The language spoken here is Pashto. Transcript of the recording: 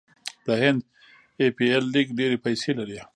د هند ای پي ایل لیګ ډیرې پیسې لري.